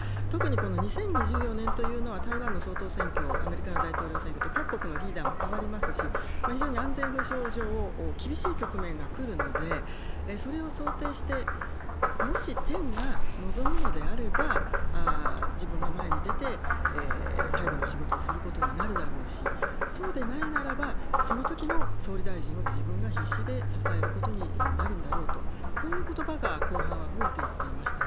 特にこの２０２４年というのは、台湾の総統選挙、アメリカの大統領選挙と、各国のリーダーも変わりますし、非常に安全保障上、厳しい局面が来るので、それを想定して、もし天が望むのであれば、自分が前に出て、最後の仕事をすることになるだろうし、そうでないならば、そのときの総理大臣を自分が必死で支えることになるんだろうと、こういうことばが後半は増えていっていましたね。